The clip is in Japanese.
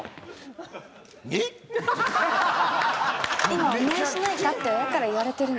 今「お見合いしないか」って親から言われてるの。